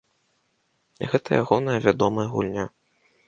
Гэта ягоная вядомая гульня.